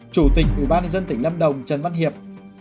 chủ tịch ủy ban nhân dân tỉnh lâm đồng trần văn hiệp